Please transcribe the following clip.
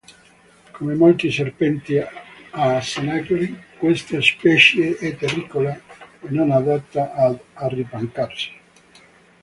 Come molti serpenti a sonagli, questa specie è terricola e non adatta ad arrampicarsi.